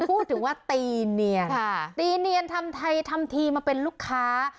พูดถึงว่าตีเนียนค่ะตีเนียนทำไทยทำทีมาเป็นลูกค้า